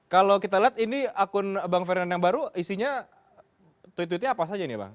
kalau kita lihat ini akun bang fernand yang baru isinya tweet tweetnya apa saja ini bang